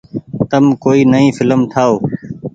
تم ڪوئي نئي ڦلم ٺآئو ۔